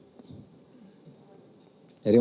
tidak terlalu banyak yang diperlukan